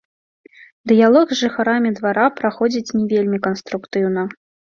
Дыялог з жыхарамі двара праходзіць не вельмі канструктыўна.